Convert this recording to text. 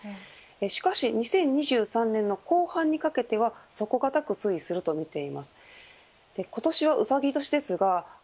しかし２０２３年の後半にかけては底堅く推移するとみています。